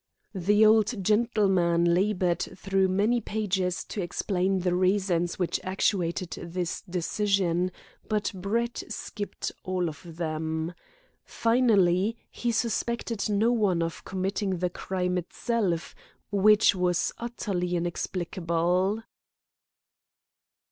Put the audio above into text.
The old gentleman laboured through many pages to explain the reasons which actuated this decision, but Brett skipped all of them. Finally, he suspected no one of committing the crime itself, which was utterly inexplicable.